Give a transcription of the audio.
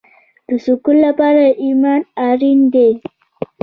د سکون لپاره ایمان اړین دی